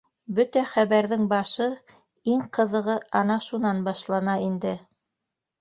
Бөтә хәбәрҙең башы, иң ҡыҙығы ана шунан башлана инде...